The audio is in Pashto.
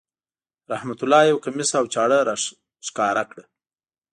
رحمت الله یو کمیس او چاړه را وښکاره کړه.